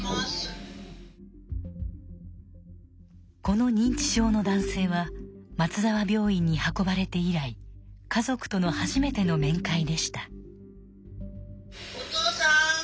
この認知症の男性は松沢病院に運ばれて以来家族との初めての面会でした。